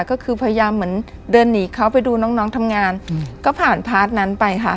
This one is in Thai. ก็คือพยายามเหมือนเดินหนีเขาไปดูน้องน้องทำงานก็ผ่านพาร์ทนั้นไปค่ะ